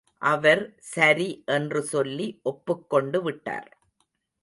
அவர் சரி என்று சொல்லி ஒப்புக் கொண்டு விட்டார்.